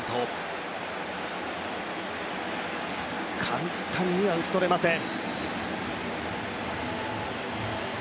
簡単には打ち取れません。